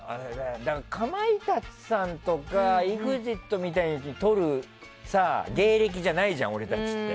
かまいたちさんとかＥＸＩＴみたいに撮る芸歴じゃないじゃん、俺達って。